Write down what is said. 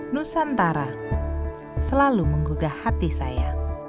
nusantara selalu menggugah hati saya